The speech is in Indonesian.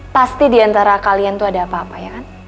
pasti diantara kalian itu ada apa apa ya kan